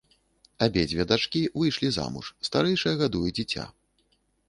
Абедзве дачкі выйшлі замуж, старэйшая гадуе дзіця.